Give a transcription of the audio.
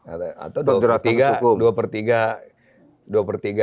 atau dua per tiga